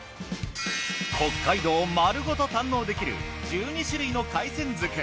北海道をまるごと堪能できる１２種類の海鮮漬。